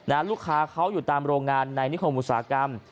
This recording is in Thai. ลูกค้าเขาอยู่ตามโรงงานในนิคมอุตสาหกรรม